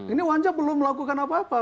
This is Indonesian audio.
ini wajah belum melakukan apa apa